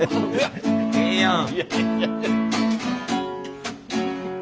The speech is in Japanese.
ええやん。